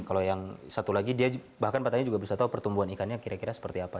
kalau yang satu lagi dia bahkan petani juga bisa tahu pertumbuhan ikannya kira kira seperti apa